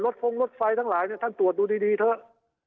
ฟงรถไฟทั้งหลายท่านตรวจดูดีเถอะ